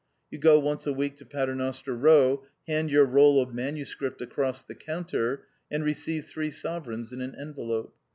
You go once a week to Paternoster Eow, hand your roll of manuscript across the counter, and receive three sovereigns in an envelope.